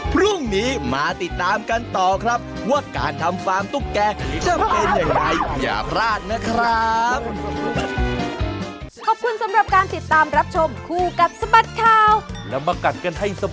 พรุ่งนี้มาติดตามกันต่อครับว่าการทำฟาร์มตุ๊กแกจะเป็นอย่างไรอย่าพลาดนะครับ